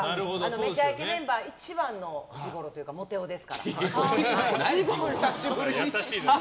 「めちゃイケ」メンバー一番のジゴロというか、モテ男ですから。